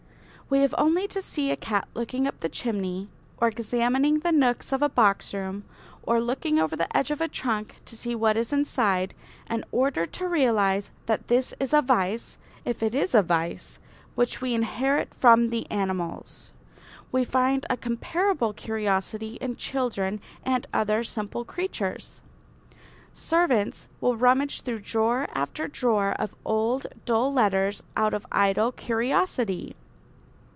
We have only to see a cat looking up the chimney or examining the nooks of a box room or looking over the edge of a trunk to see what is inside in order to realise that this is a vice, if it is a vice, which we inherit from the animals. We find a comparable curiosity in children and other simple creatures. Servants will rummage through drawer after drawer of old, dull letters out of idle curiosity.